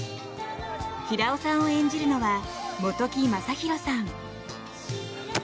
平尾さんを演じるのは本木雅弘さん。